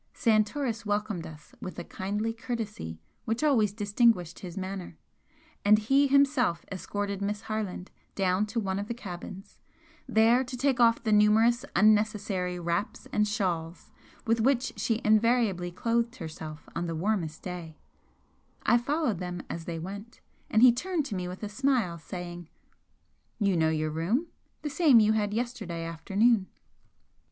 Santoris welcomed us with the kindly courtesy which always distinguished his manner, and he himself escorted Miss Harland down to one of the cabins, there to take off the numerous unnecessary wraps and shawls with which she invariably clothed herself on the warmest day, I followed them as they went, and he turned to me with a smile, saying: "You know your room? The same you had yesterday afternoon."